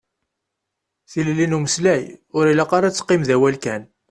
Tilelli n umeslay, ur ilaq ara ad teqqim d awal kan.